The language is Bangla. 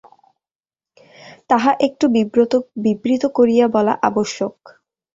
তাহা একটু বিবৃত করিয়া বলা আবশ্যক।